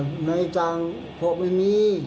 น้องไอ้จังโพกไม่มี